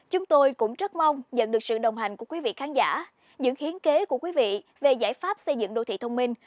chúng tôi cũng rất mong nhận được sự đồng hành của quý vị khán giả những hiến kế của quý vị về giải pháp xây dựng đô thị thông minh